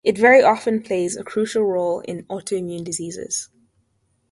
It very often plays crucial role in autoimmune diseases.